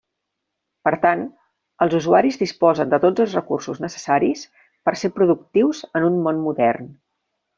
Per tant, els usuaris disposen de tots els recursos necessaris per ser productius en un món modern.